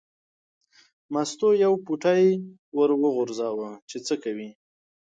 مستو یو پوټی ور وغورځاوه چې څه کوي.